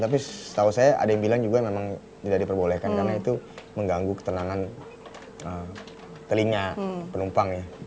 tapi setahu saya ada yang bilang juga memang tidak diperbolehkan karena itu mengganggu ketenangan telinga penumpang ya